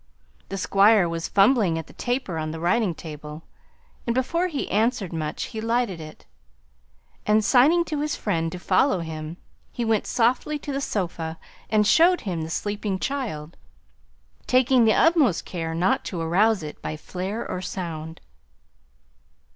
The Squire was fumbling at the taper on the writing table, and before he answered much he lighted it, and signing to his friend to follow him, he went softly to the sofa and showed him the sleeping child, taking the utmost care not to arouse it by flare or sound.